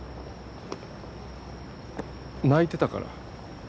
泣いてたから。